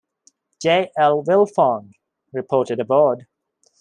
J. L. Wilfong, reported aboard.